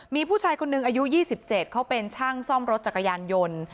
มีผู้ชายคนหนึ่งอายุ๒๗เขาเป็นช่างซ่อมรถจักรยานยนต์